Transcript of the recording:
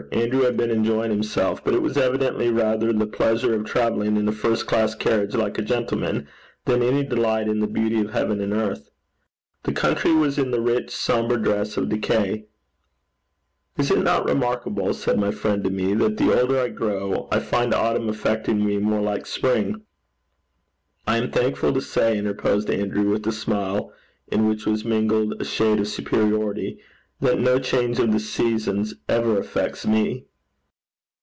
Andrew had been enjoying himself; but it was evidently rather the pleasure of travelling in a first class carriage like a gentleman than any delight in the beauty of heaven and earth. The country was in the rich sombre dress of decay. 'Is it not remarkable,' said my friend to me, 'that the older I grow, I find autumn affecting me the more like spring?' 'I am thankful to say,' interposed Andrew, with a smile in which was mingled a shade of superiority, 'that no change of the seasons ever affects me.'